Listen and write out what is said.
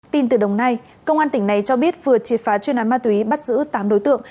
tin từ đồng nai công an tỉnh này cho biết vừa triệt phá chuyên án ma túy bắt giữ tám đối tượng